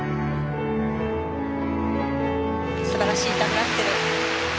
すばらしいダブルアクセル。